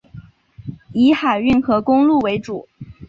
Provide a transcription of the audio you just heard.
以海运和公路为主。